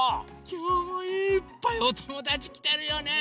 きょうもいっぱいおともだちきてるよね。